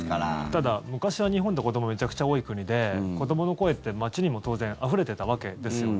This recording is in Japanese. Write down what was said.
ただ、昔は日本って子どもめちゃくちゃ多い国で子どもの声って街にも当然あふれてたわけですよね。